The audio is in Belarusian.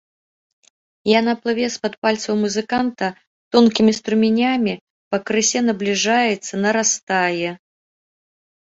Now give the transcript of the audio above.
Яна плыве з-пад пальцаў музыканта тонкімі струменямі, пакрысе набліжаецца, нарастае.